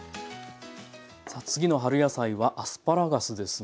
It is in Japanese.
さあ次の春野菜はアスパラガスですね。